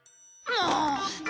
もう！